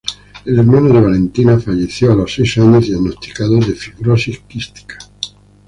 El hermano de Valentina falleció a los seis años diagnosticado de fibrosis quística.